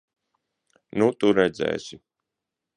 Nu, tu redzēsi!